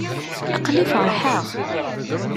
Aql-i feṛḥeɣ.